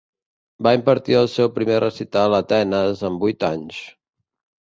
Va impartir el seu primer recital a Atenes amb vuit anys.